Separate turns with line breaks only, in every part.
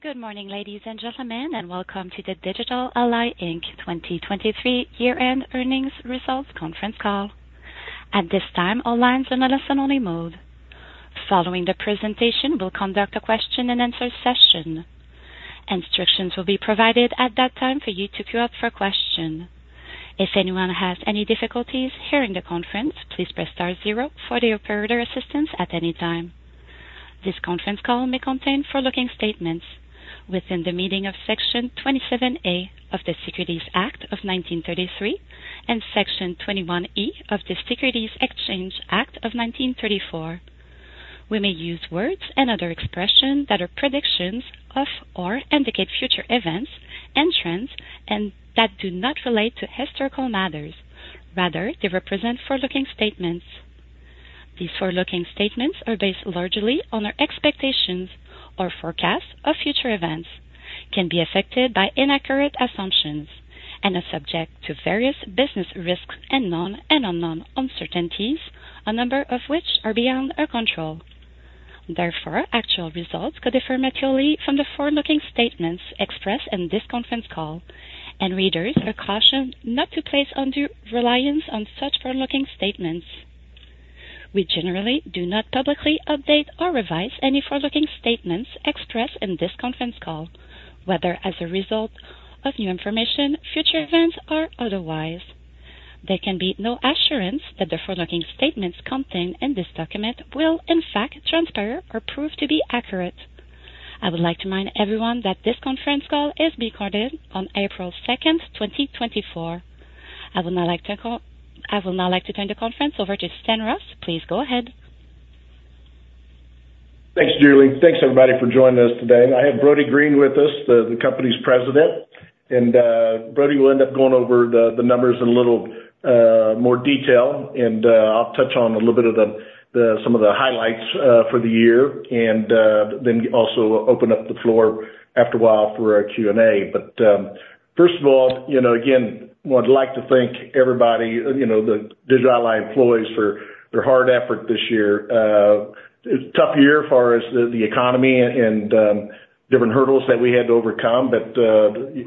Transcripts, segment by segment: Good morning, ladies and gentlemen, and welcome to the Digital Ally, Inc 2023 year-end earnings results conference call. At this time, all lines are in a listen-only mode. Following the presentation, we'll conduct a question-and-answer session. Instructions will be provided at that time for you to queue up for a question. If anyone has any difficulties hearing the conference, please press star zero for the operator assistance at any time. This conference call may contain forward-looking statements within the meaning of Section 27A of the Securities Act of 1933 and Section 21E of the Securities Exchange Act of 1934. We may use words and other expressions that are predictions of or indicate future events and trends and that do not relate to historical matters. Rather, they represent forward-looking statements. These forward-looking statements are based largely on our expectations or forecasts of future events, can be affected by inaccurate assumptions, and are subject to various business risks and known and unknown uncertainties, a number of which are beyond our control. Therefore, actual results could differ materially from the forward-looking statements expressed in this conference call, and readers are cautioned not to place undue reliance on such forward-looking statements. We generally do not publicly update or revise any forward-looking statements expressed in this conference call, whether as a result of new information, future events, or otherwise. There can be no assurance that the forward-looking statements contained in this document will, in fact, transpire or prove to be accurate. I would like to remind everyone that this conference call is being recorded on April 2nd, 2024. I would now like to turn the conference over to Stanton Ross. Please go ahead.
Thanks, Julie. Thanks, everybody, for joining us today. I have Brody Green with us, the company's president. And Brody will end up going over the numbers in a little more detail, and I'll touch on a little bit of some of the highlights for the year and then also open up the floor after a while for a Q&A. But first of all, again, I'd like to thank everybody, the Digital Ally employees, for their hard effort this year. It's a tough year as far as the economy and different hurdles that we had to overcome, but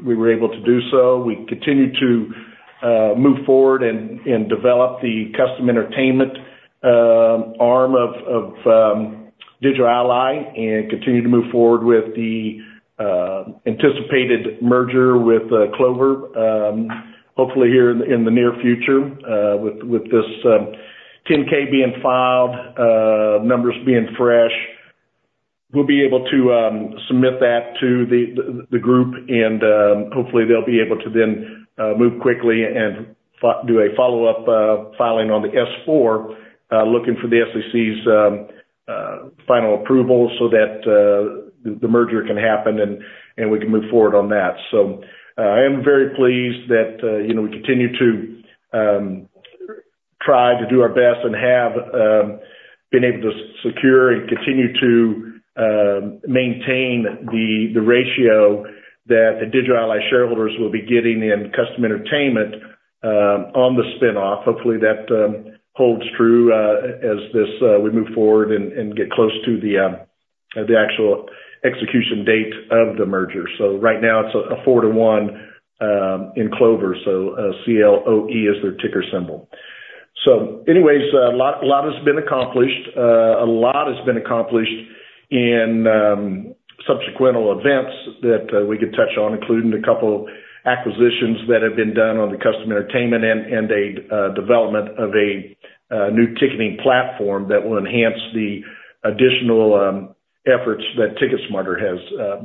we were able to do so. We continue to move forward and develop the Kustom Entertainment arm of Digital Ally and continue to move forward with the anticipated merger with Clover, hopefully here in the near future, with this 10-K being filed, numbers being fresh. We'll be able to submit that to the group, and hopefully they'll be able to then move quickly and do a follow-up filing on the S-4, looking for the SEC's final approval so that the merger can happen and we can move forward on that. So I am very pleased that we continue to try to do our best and have been able to secure and continue to maintain the ratio that the Digital Ally shareholders will be getting in Kustom Entertainment on the spinoff. Hopefully that holds true as we move forward and get close to the actual execution date of the merger. So right now it's a 4-to-1 in Clover, so CLOE is their ticker symbol. So anyways, a lot has been accomplished. A lot has been accomplished in subsequent events that we could touch on, including a couple of acquisitions that have been done on the Kustom Entertainment and a development of a new ticketing platform that will enhance the additional efforts that TicketSmarter has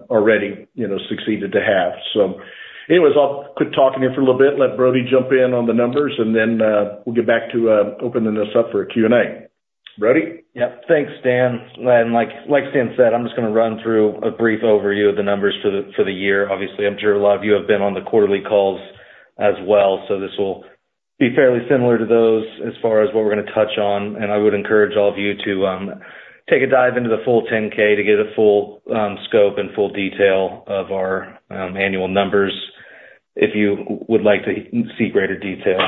already succeeded to have. So anyways, I'll quit talking here for a little bit, let Brody jump in on the numbers, and then we'll get back to opening this up for a Q&A. Brody?
Yep. Thanks, Stan. Like Stanton said, I'm just going to run through a brief overview of the numbers for the year. Obviously, I'm sure a lot of you have been on the quarterly calls as well, so this will be fairly similar to those as far as what we're going to touch on. I would encourage all of you to take a dive into the full 10-K to get a full scope and full detail of our annual numbers if you would like to see greater detail.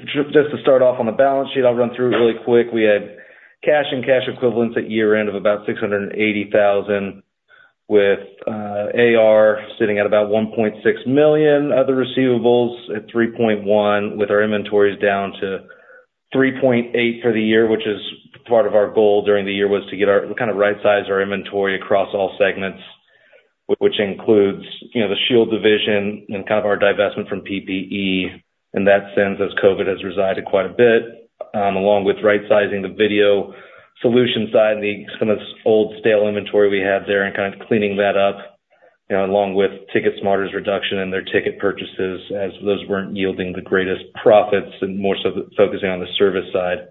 Just to start off on the balance sheet, I'll run through it really quick. We had cash and cash equivalents at year-end of about $680,000, with AR sitting at about $1.6 million, other receivables at $3.1 million, with our inventories down to $3.8 million for the year, which is part of our goal during the year was to kind of right-size our inventory across all segments, which includes the Shield division and kind of our divestment from PPE in that sense as COVID has resided quite a bit, along with right-sizing the video solution side and some of this old stale inventory we had there and kind of cleaning that up, along with TicketSmarter's reduction in their ticket purchases as those weren't yielding the greatest profits and more so focusing on the service side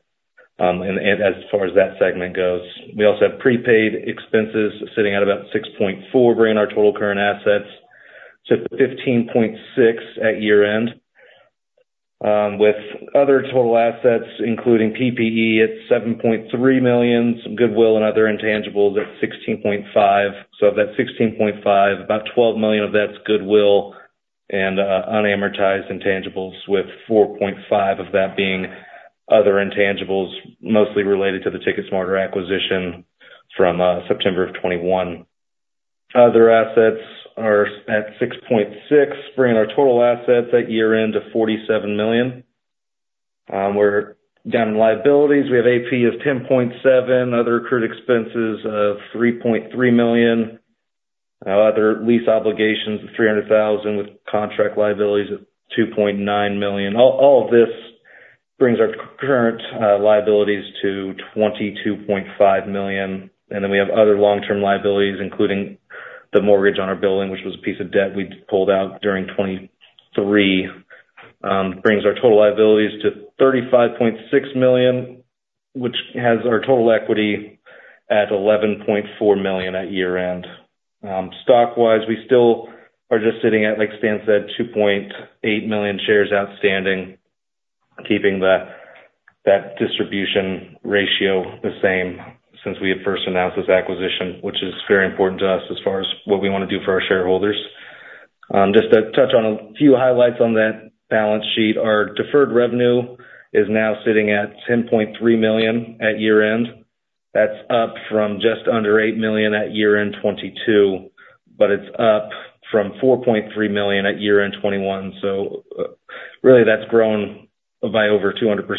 as far as that segment goes. We also have prepaid expenses sitting at about $6.4 million bringing our total current assets, so $15.6 million at year-end. With other total assets, including PPE, it's $7.3 million, some goodwill and other intangibles at $16.5 million. So of that $16.5 million, about $12 million of that's goodwill and unamortized intangibles, with $4.5 million of that being other intangibles mostly related to the TicketSmarter acquisition from September of 2021. Other assets are at $6.6 million, bringing our total assets at year-end to $47 million. We're down in liabilities. We have AP of $10.7 million, other accrued expenses of $3.3 million, other lease obligations of $300,000 with contract liabilities at $2.9 million. All of this brings our current liabilities to $22.5 million. And then we have other long-term liabilities, including the mortgage on our building, which was a piece of debt we pulled out during 2023, brings our total liabilities to $35.6 million, which has our total equity at $11.4 million at year-end. Stock-wise, we still are just sitting at, like Stanton said, 2.8 million shares outstanding, keeping that distribution ratio the same since we had first announced this acquisition, which is very important to us as far as what we want to do for our shareholders. Just to touch on a few highlights on that balance sheet, our deferred revenue is now sitting at $10.3 million at year-end. That's up from just under $8 million at year-end 2022, but it's up from $4.3 million at year-end 2021. So really, that's grown by over 200%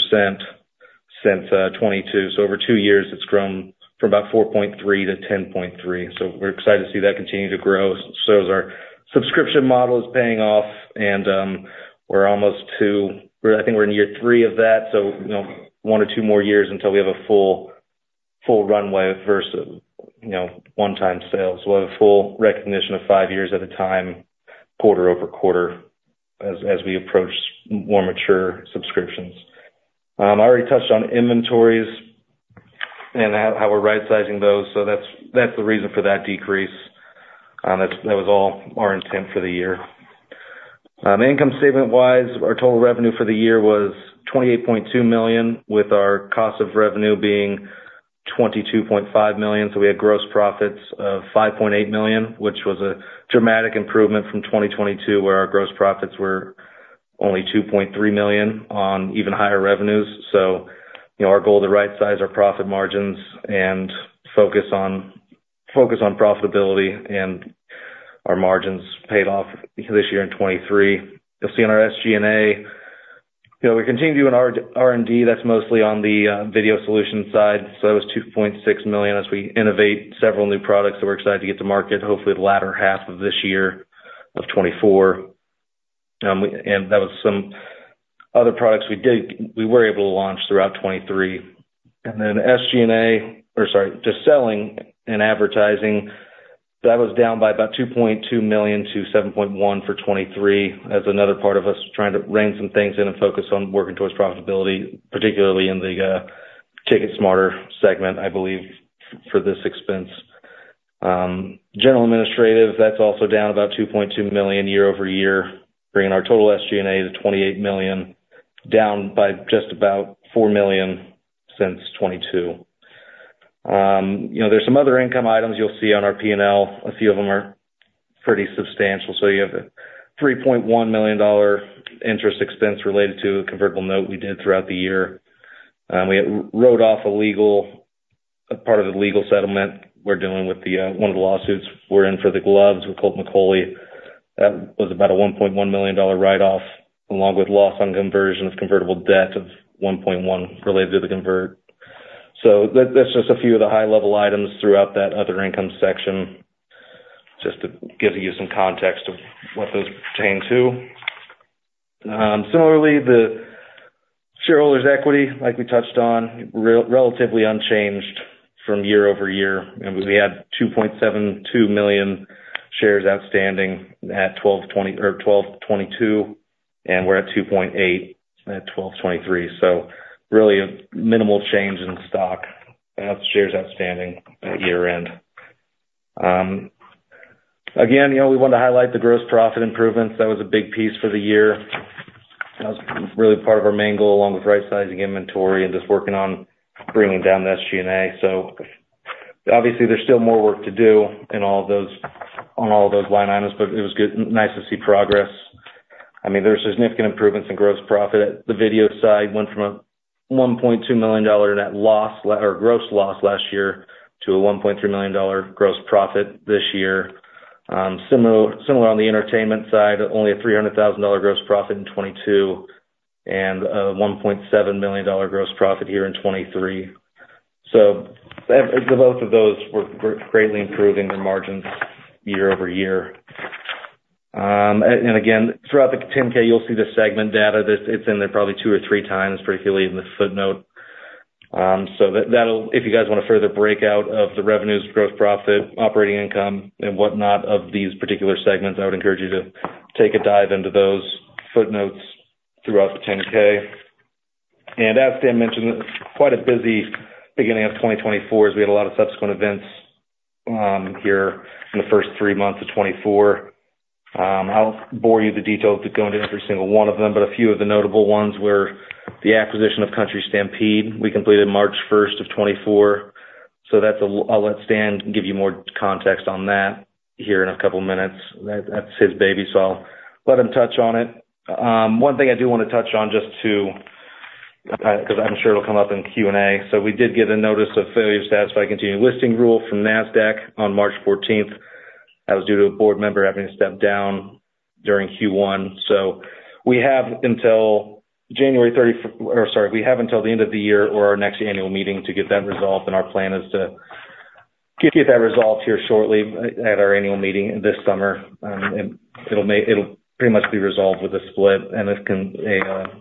since 2022. So over two years, it's grown from about $4.3 million to $10.3 million. So we're excited to see that continue to grow. So our subscription model is paying off, and we're almost to I think we're in year three of that, so one or two more years until we have a full runway versus one-time sales. We'll have a full recognition of five years at a time, quarter-over-quarter, as we approach more mature subscriptions. I already touched on inventories and how we're right-sizing those. So that's the reason for that decrease. That was all our intent for the year. Income statement-wise, our total revenue for the year was $28.2 million, with our cost of revenue being $22.5 million. So we had gross profits of $5.8 million, which was a dramatic improvement from 2022 where our gross profits were only $2.3 million on even higher revenues. So our goal to right-size our profit margins and focus on profitability, and our margins paid off this year in 2023. You'll see in our SG&A, we continue to do an R&D. That's mostly on the video solution side. So that was $2.6 million as we innovate several new products that we're excited to get to market, hopefully the latter half of this year of 2024. And that was some other products we were able to launch throughout 2023. And then SG&A or sorry, just selling and advertising, that was down by about $2.2 million to $7.1 million for 2023 as another part of us trying to rein some things in and focus on working towards profitability, particularly in the TicketSmarter segment, I believe, for this expense. General administrative, that's also down about $2.2 million year-over-year, bringing our total SG&A to $28 million, down by just about $4 million since 2022. There's some other income items you'll see on our P&L. A few of them are pretty substantial. So you have a $3.1 million interest expense related to a convertible note we did throughout the year. We wrote off a legal part of the legal settlement we're dealing with. One of the lawsuits we're in for the gloves with Kolt McCauley, that was about a $1.1 million write-off, along with loss on conversion of convertible debt of $1.1 million related to the convert. So that's just a few of the high-level items throughout that other income section, just to give you some context of what those pertain to. Similarly, the shareholders' equity, like we touched on, relatively unchanged from year-over-year. We had 2.72 million shares outstanding at December 2022, and we're at 2.8 million at December 2023. So really minimal change in stock. That's shares outstanding at year-end. Again, we wanted to highlight the gross profit improvements. That was a big piece for the year. That was really part of our main goal, along with right-sizing inventory and just working on bringing down the SG&A. So obviously, there's still more work to do on all of those line items, but it was nice to see progress. I mean, there were significant improvements in gross profit. The video side went from a $1.2 million net loss or gross loss last year to a $1.3 million gross profit this year. Similar on the entertainment side, only a $300,000 gross profit in 2022 and a $1.7 million gross profit here in 2023. So both of those were greatly improving their margins year-over-year. And again, throughout the 10-K, you'll see the segment data. It's in there probably two or three times, particularly in the footnote. So if you guys want a further breakout of the revenues, gross profit, operating income, and whatnot of these particular segments, I would encourage you to take a dive into those footnotes throughout the 10-K. And as Stanton mentioned, quite a busy beginning of 2024 as we had a lot of subsequent events here in the first three months of 2024. I won't bore you with the details of going into every single one of them, but a few of the notable ones were the acquisition of Country Stampede. We completed March 1st of 2024. So I'll let Stanton give you more context on that here in a couple of minutes. That's his baby, so I'll let him touch on it. One thing I do want to touch on just to because I'm sure it'll come up in Q&A. So we did get a notice of failure to satisfy continuing listing rule from Nasdaq on March 14th, 2024. That was due to a board member having to step down during Q1. So we have until January 30th or sorry, we have until the end of the year or our next annual meeting to get that resolved. Our plan is to get that resolved here shortly at our annual meeting this summer. It'll pretty much be resolved with a split and a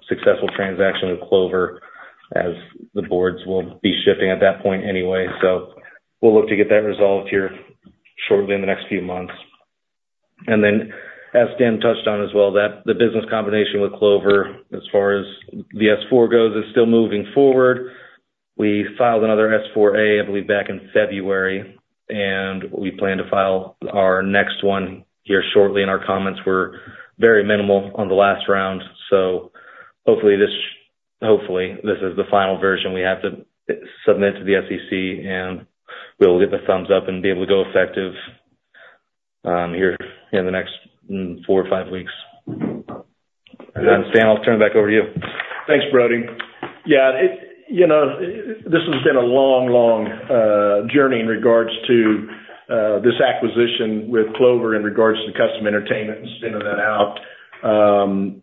successful transaction with Clover as the boards will be shifting at that point anyway. So we'll look to get that resolved here shortly in the next few months. And then as Stanton touched on as well, the business combination with Clover, as far as the S-4 goes, is still moving forward. We filed another S-4/A, I believe, back in February, and we plan to file our next one here shortly. And our comments were very minimal on the last round. Hopefully, this is the final version we have to submit to the SEC, and we'll get the thumbs up and be able to go effective here in the next four or five weeks. Stanton, I'll turn it back over to you.
Thanks, Brody. Yeah, this has been a long, long journey in regards to this acquisition with Clover in regards to Kustom Entertainment and spinning that out.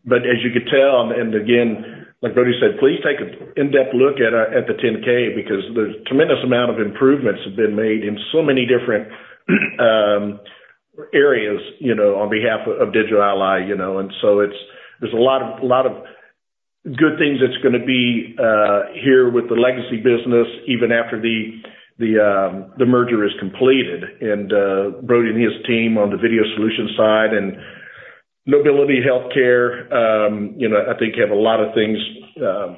But as you could tell and again, like Brody said, please take an in-depth look at the 10-K because there's a tremendous amount of improvements that have been made in so many different areas on behalf of Digital Ally. And so there's a lot of good things that's going to be here with the legacy business even after the merger is completed. And Brody and his team on the video solution side and Nobility Healthcare, I think, have a lot of things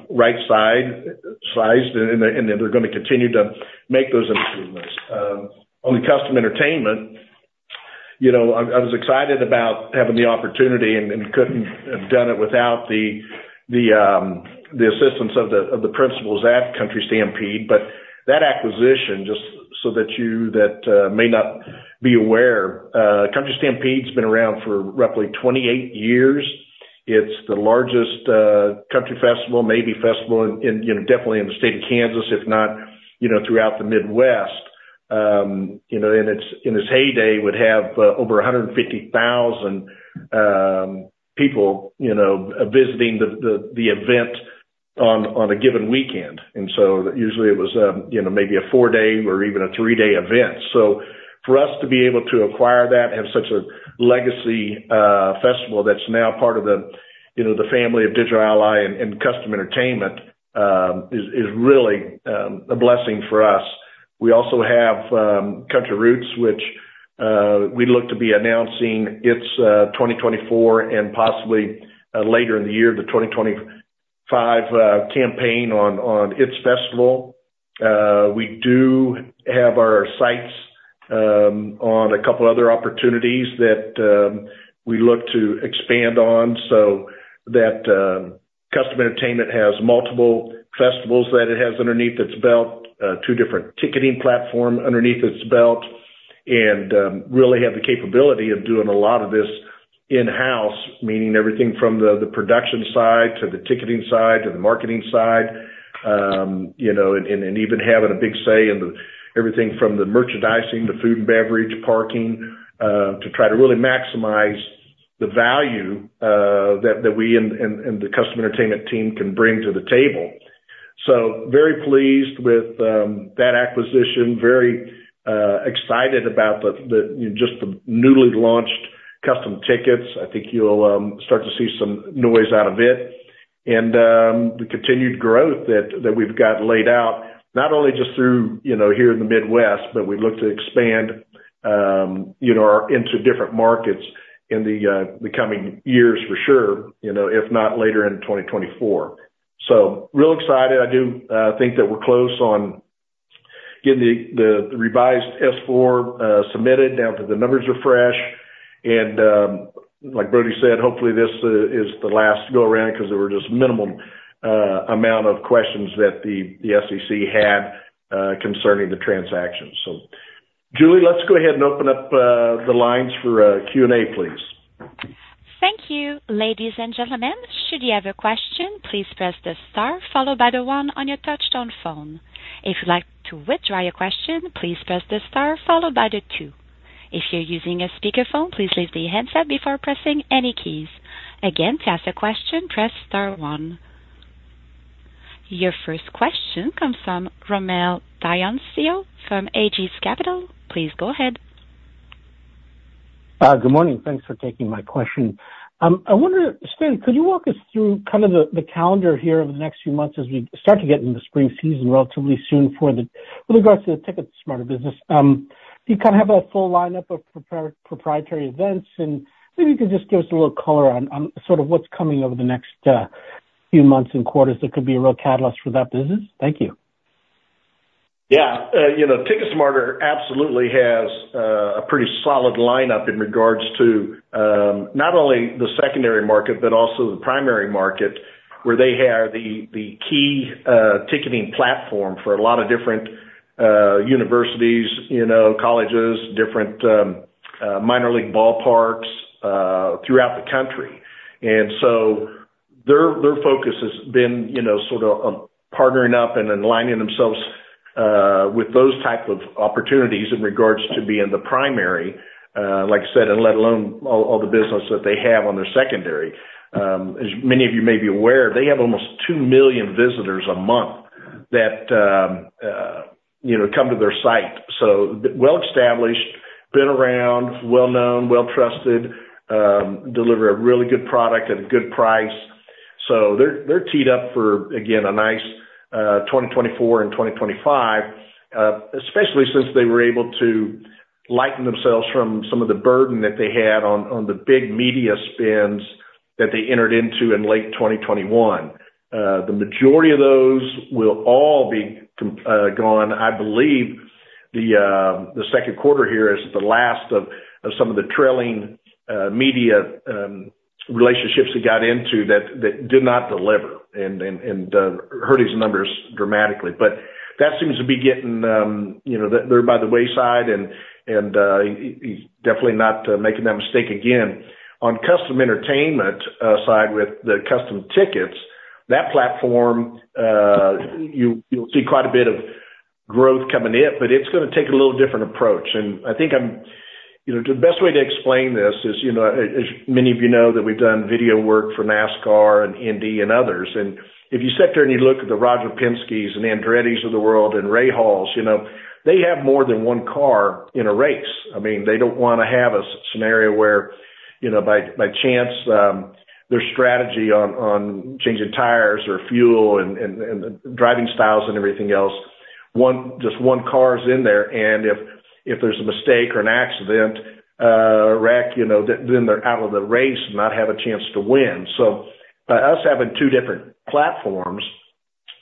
right-sized, and they're going to continue to make those improvements. On the Kustom Entertainment, I was excited about having the opportunity and couldn't have done it without the assistance of the principals at Country Stampede. But that acquisition, just so that you may not be aware, Country Stampede's been around for roughly 28 years. It's the largest country festival, maybe festival, definitely in the state of Kansas, if not throughout the Midwest. In its heyday, it would have over 150,000 people visiting the event on a given weekend. And so usually, it was maybe a four-day or even a three-day event. So for us to be able to acquire that, have such a legacy festival that's now part of the family of Digital Ally and Kustom Entertainment, is really a blessing for us. We also have Country Roots, which we look to be announcing its 2024 and possibly later in the year, the 2025 campaign on its festival. We do have our sights on a couple of other opportunities that we look to expand on so that Kustom Entertainment has multiple festivals that it has underneath its belt, two different ticketing platforms underneath its belt, and really have the capability of doing a lot of this in-house, meaning everything from the production side to the ticketing side to the marketing side, and even having a big say in everything from the merchandising to food and beverage, parking, to try to really maximize the value that we and the Kustom Entertainment team can bring to the table. So very pleased with that acquisition, very excited about just the newly launched Kustom Tickets. I think you'll start to see some noise out of it and the continued growth that we've got laid out, not only just through here in the Midwest, but we look to expand into different markets in the coming years, for sure, if not later in 2024. So, real excited. I do think that we're close on getting the revised S-4 submitted. Now, the numbers are fresh. And like Brody said, hopefully, this is the last go-around because there were just a minimal amount of questions that the SEC had concerning the transactions. So, Julie, let's go ahead and open up the lines for Q&A, please.
Thank you, ladies and gentlemen. Should you have a question, please press the star followed by the one on your touch-tone phone. If you'd like to withdraw your question, please press the star followed by the two. If you're using a speakerphone, please leave the headset before pressing any keys. Again, to ask a question, press star one. Your first question comes from Rommel Dionisio from Aegis Capital. Please go ahead.
Good morning. Thanks for taking my question. I wonder, Stanton, could you walk us through kind of the calendar here over the next few months as we start to get into the spring season relatively soon with regards to the TicketSmarter business? Do you kind of have a full lineup of proprietary events? And maybe you could just give us a little color on sort of what's coming over the next few months and quarters that could be a real catalyst for that business. Thank you.
Yeah. TicketSmarter absolutely has a pretty solid lineup in regards to not only the secondary market but also the primary market, where they have the key ticketing platform for a lot of different universities, colleges, different minor league ballparks throughout the country. And so their focus has been sort of partnering up and aligning themselves with those types of opportunities in regards to being the primary, like I said, and let alone all the business that they have on their secondary. As many of you may be aware, they have almost 2 million visitors a month that come to their site. So well-established, been around, well-known, well-trusted, deliver a really good product at a good price. So they're teed up for, again, a nice 2024 and 2025, especially since they were able to lighten themselves from some of the burden that they had on the big media spends that they entered into in late 2021. The majority of those will all be gone. I believe the second quarter here is the last of some of the trailing media relationships they got into that did not deliver and hurt these numbers dramatically. But that seems to be getting them by the wayside, and he's definitely not making that mistake again. On Kustom Entertainment side with the Kustom Tickets, that platform, you'll see quite a bit of growth coming in, but it's going to take a little different approach. And I think the best way to explain this is, as many of you know, that we've done video work for NASCAR and Indy and others. If you sit there and you look at the Roger Penske's and Andretti's of the world and Rahal's, they have more than one car in a race. I mean, they don't want to have a scenario where, by chance, their strategy on changing tires or fuel and driving styles and everything else, just one car's in there. If there's a mistake or an accident wreck, then they're out of the race and not have a chance to win. By us having two different platforms,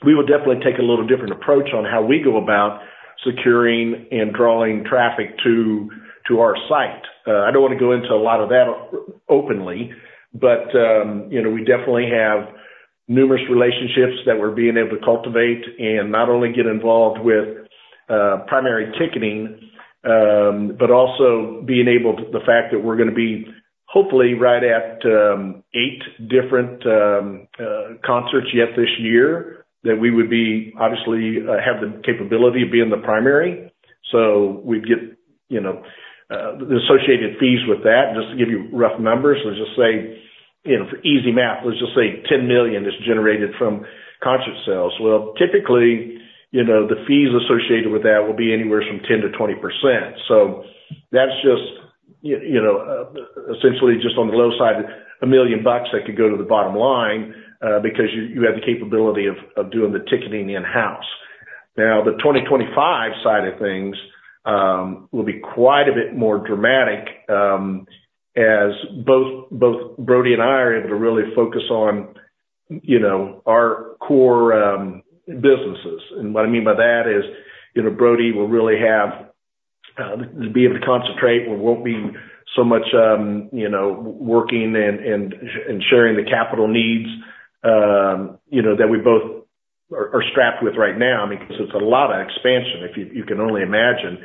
we will definitely take a little different approach on how we go about securing and drawing traffic to our site. I don't want to go into a lot of that openly, but we definitely have numerous relationships that we're being able to cultivate and not only get involved with primary ticketing but also being able the fact that we're going to be hopefully right at eight different concerts yet this year that we would obviously have the capability of being the primary. So we'd get the associated fees with that. Just to give you rough numbers, let's just say for easy math, let's just say $10 million is generated from concert sales. Well, typically, the fees associated with that will be anywhere from 10%-20%. So that's just essentially just on the low side, $1 million that could go to the bottom line because you have the capability of doing the ticketing in-house. Now, the 2025 side of things will be quite a bit more dramatic as both Brody and I are able to really focus on our core businesses. And what I mean by that is Brody will really have to be able to concentrate. We won't be so much working and sharing the capital needs that we both are strapped with right now because it's a lot of expansion, if you can only imagine,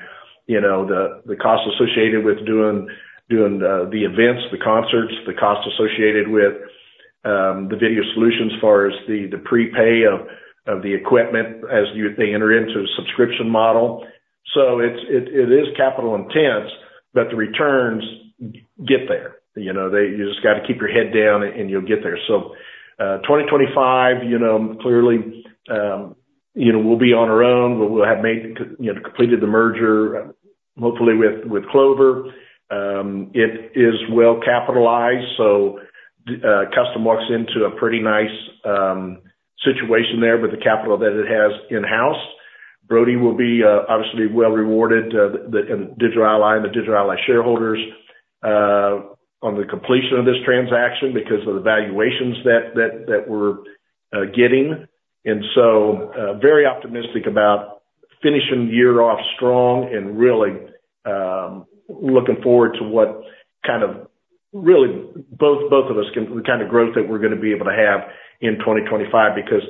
the cost associated with doing the events, the concerts, the cost associated with the video solutions as far as the prepay of the equipment as they enter into a subscription model. So it is capital intense, but the returns get there. You just got to keep your head down, and you'll get there. So 2025, clearly, we'll be on our own. We'll have completed the merger, hopefully, with Clover. It is well capitalized, so Kustom walks into a pretty nice situation there with the capital that it has in-house. Brody will be obviously well rewarded, Digital Ally and the Digital Ally shareholders, on the completion of this transaction because of the valuations that we're getting. And so very optimistic about finishing the year off strong and really looking forward to what kind of really both of us can the kind of growth that we're going to be able to have in 2025 because,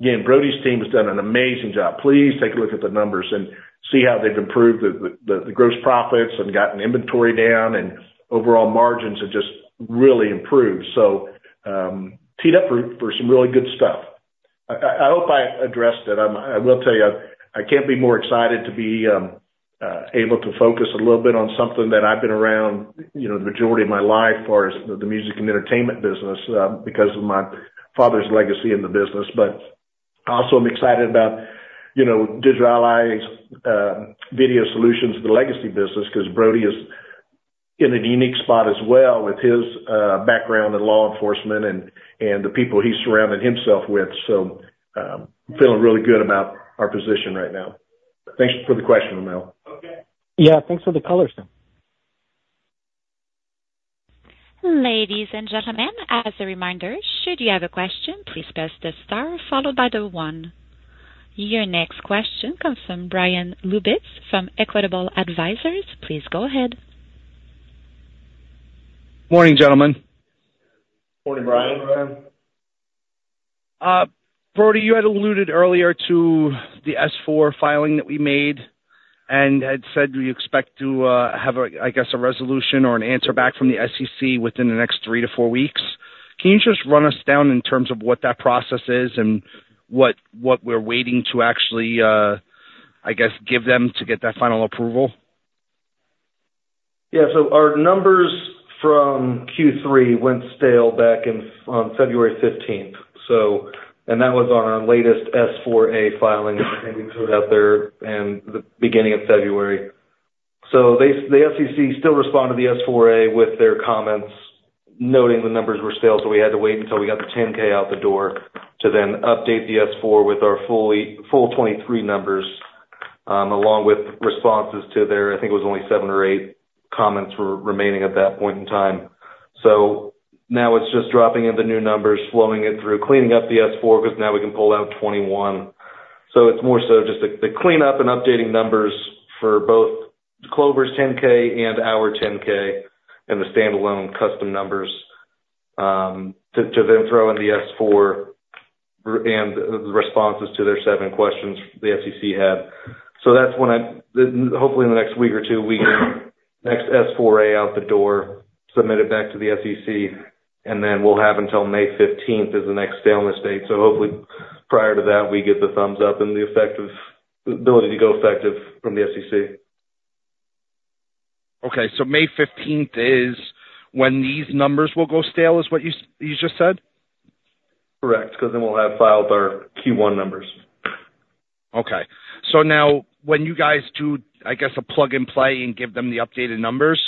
again, Brody's team has done an amazing job. Please take a look at the numbers and see how they've improved the gross profits and gotten inventory down, and overall margins have just really improved. So teed up for some really good stuff. I hope I addressed it. I will tell you, I can't be more excited to be able to focus a little bit on something that I've been around the majority of my life as far as the music and entertainment business because of my father's legacy in the business. But also, I'm excited about Digital Ally's video solutions, the legacy business, because Brody is in a unique spot as well with his background in law enforcement and the people he's surrounded himself with. So feeling really good about our position right now. Thanks for the question, Romel.
Yeah. Thanks for the colors, though.
Ladies and gentlemen, as a reminder, should you have a question, please press the star followed by 1. Your next question comes from Brian Lubitz from Equitable Advisors. Please go ahead.
Morning, gentlemen.
Morning, Brian.
Brody, you had alluded earlier to the S-4 filing that we made and had said we expect to have, I guess, a resolution or an answer back from the SEC within the next three to four weeks. Can you just run us down in terms of what that process is and what we're waiting to actually, I guess, give them to get that final approval?
Yeah. So our numbers from Q3 went stale back on February 15th, and that was on our latest S-4/A filing that we put out there in the beginning of February. So the SEC still responded to the S-4/A with their comments, noting the numbers were stale, so we had to wait until we got the 10-K out the door to then update the S-4 with our full 2023 numbers along with responses to their I think it was only seven or eight comments remaining at that point in time. So now it's just dropping in the new numbers, flowing it through, cleaning up the S-4 because now we can pull out 2021. So it's more so just the cleanup and updating numbers for both Clover's 10-K and our 10-K and the standalone Kustom numbers to then throw in the S-4 and the responses to their seven questions the SEC had. So that's when, hopefully, in the next week or two, we can get the S-4 out the door, submit it back to the SEC, and then we'll have until May 15th, which is the next staleness date. So hopefully, prior to that, we get the thumbs up and the ability to go effective from the SEC.
Okay. So May 15th is when these numbers will go stale is what you just said?
Correct. Because then we'll have filed our Q1 numbers.
Okay. So now when you guys do, I guess, a plug-and-play and give them the updated numbers,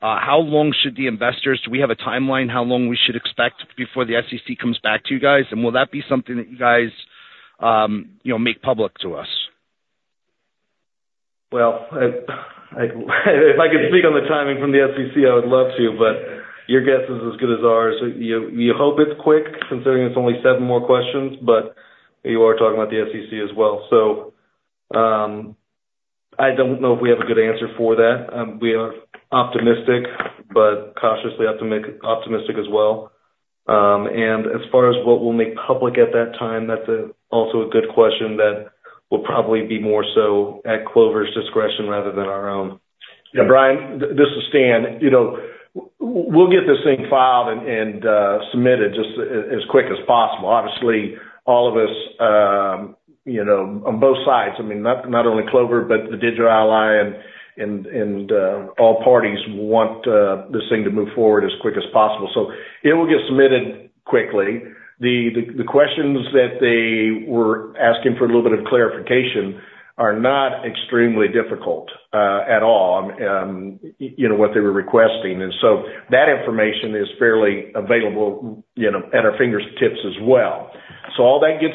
how long should the investors do we have a timeline how long we should expect before the SEC comes back to you guys? And will that be something that you guys make public to us?
Well, if I could speak on the timing from the SEC, I would love to, but your guess is as good as ours. We hope it's quick considering it's only seven more questions, but you are talking about the SEC as well. So I don't know if we have a good answer for that. We are optimistic but cautiously optimistic as well. As far as what we'll make public at that time, that's also a good question that will probably be more so at Clover's discretion rather than our own. Brian, this is Stanton. We'll get this thing filed and submitted just as quick as possible. Obviously, all of us on both sides, I mean, not only Clover but the Digital Ally and all parties want this thing to move forward as quick as possible. So it will get submitted quickly. The questions that they were asking for a little bit of clarification are not extremely difficult at all, what they were requesting. And so that information is fairly available at our fingertips as well. So all that gets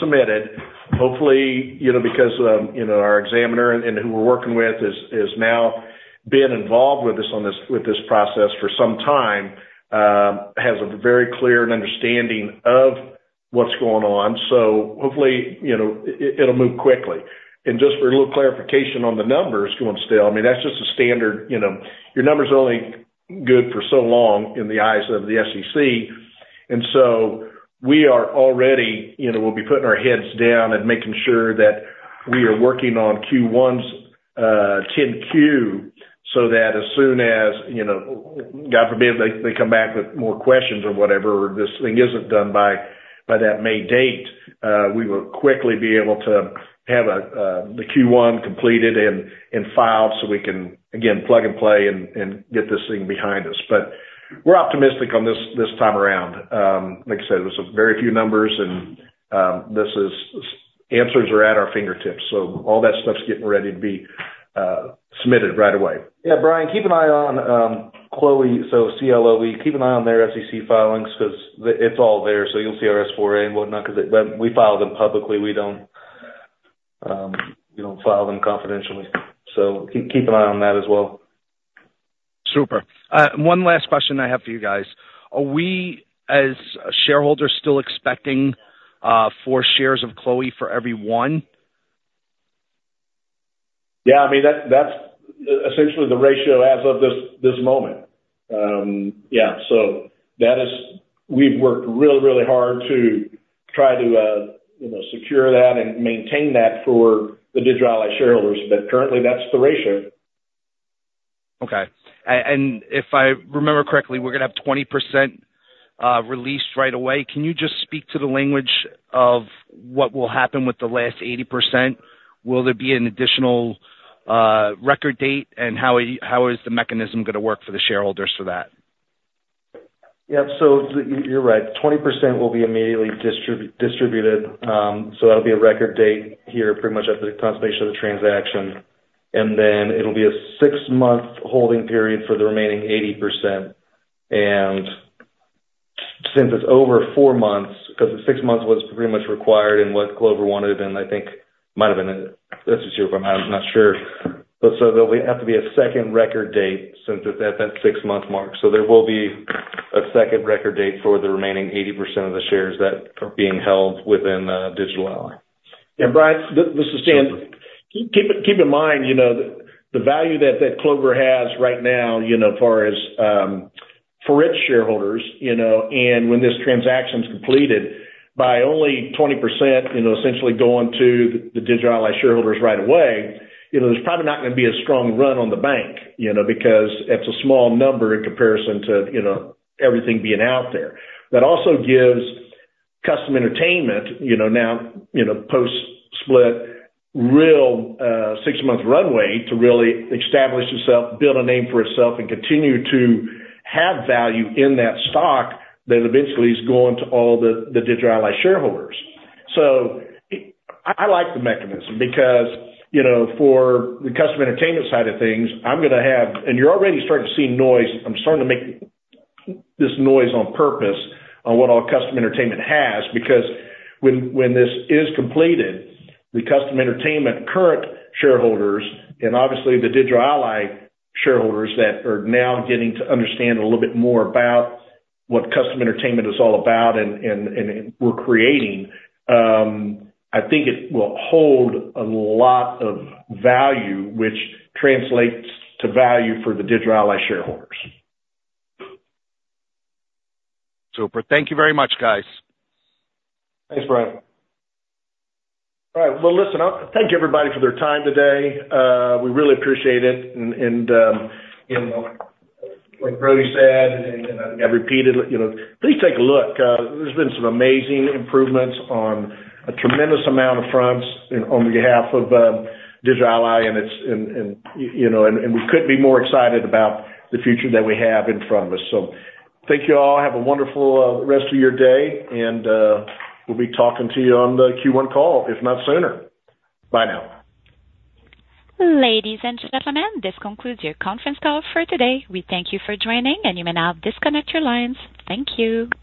submitted, hopefully, because our examiner and who we're working with has now been involved with this process for some time, has a very clear understanding of what's going on. So hopefully, it'll move quickly. And just for a little clarification on the numbers going stale, I mean, that's just a standard your numbers are only good for so long in the eyes of the SEC. We are already we'll be putting our heads down and making sure that we are working on Q1's 10-Q so that as soon as, God forbid, they come back with more questions or whatever, or this thing isn't done by that May date, we will quickly be able to have the Q1 completed and filed so we can, again, plug-and-play and get this thing behind us. But we're optimistic on this time around. Like I said, it was very few numbers, and answers are at our fingertips. So all that stuff's getting ready to be submitted right away. Yeah. Brian, keep an eye on CLOE so C-L-O-E, keep an eye on their SEC filings because it's all there. So you'll see our S-4 and whatnot because we file them publicly. We don't file them confidentially. So keep an eye on that as well.
Super. One last question I have for you guys. Are we, as shareholders, still expecting four shares of CLOE for every one?
Yeah. I mean, that's essentially the ratio as of this moment. Yeah. So we've worked really, really hard to try to secure that and maintain that for the Digital Ally shareholders, but currently, that's the ratio.
Okay. And if I remember correctly, we're going to have 20% released right away. Can you just speak to the language of what will happen with the last 80%? Will there be an additional record date, and how is the mechanism going to work for the shareholders for that?
Yep. So you're right. 20% will be immediately distributed. So that'll be a record date here pretty much at the conclusion of the transaction. And then it'll be a six-month holding period for the remaining 80%. And since it's over four months because six months was pretty much required in what Clover wanted to have been, I think it might have been a let's just see if I'm not sure. So there'll have to be a second record date since it's at that six-month mark. So there will be a second record date for the remaining 80% of the shares that are being held within Digital Ally. Yeah. Brian, this is Stanton. Keep in mind the value that Clover has right now as far as for its shareholders. And when this transaction's completed, by only 20% essentially going to the Digital Ally shareholders right away, there's probably not going to be a strong run on the bank because it's a small number in comparison to everything being out there. That also gives Kustom Entertainment now, post-split, real six-month runway to really establish itself, build a name for itself, and continue to have value in that stock that eventually is going to all the Digital Ally shareholders. So I like the mechanism because for the Kustom Entertainment side of things, I'm going to have and you're already starting to see noise. I'm starting to make this noise on purpose on what all Kustom Entertainment has because when this is completed, the Kustom Entertainment current shareholders and obviously, the Digital Ally shareholders that are now getting to understand a little bit more about what Kustom Entertainment is all about and we're creating, I think it will hold a lot of value, which translates to value for the Digital Ally shareholders.
Super. Thank you very much, guys.
Thanks, Brian. All right. Well, listen, thank you, everybody, for their time today. We really appreciate it. And like Brody said, and I think I repeated it, please take a look. There's been some amazing improvements on a tremendous amount of fronts on behalf of Digital Ally, and we couldn't be more excited about the future that we have in front of us. So thank you all. Have a wonderful rest of your day, and we'll be talking to you on the Q1 call, if not sooner. Bye now.
Ladies and gentlemen, this concludes your conference call for today. We thank you for joining, and you may now disconnect your lines. Thank you.